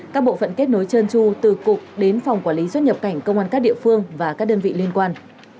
các bộ phận kết nối trơn tru từ cục đến phòng quản lý xuất nhập cảnh công an các địa phương và các đơn vị liên quan